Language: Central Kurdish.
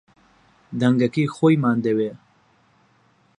دەنگەکەی خۆیمان دەوێ